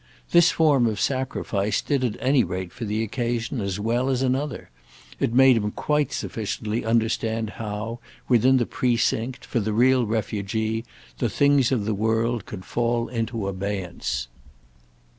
This form of sacrifice did at any rate for the occasion as well as another; it made him quite sufficiently understand how, within the precinct, for the real refugee, the things of the world could fall into abeyance.